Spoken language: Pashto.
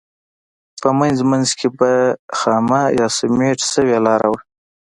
په منځ منځ کې به خامه یا سمنټ شوې لاره وه.